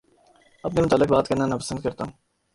اپنے متعلق بات کرنا نا پسند کرتا ہوں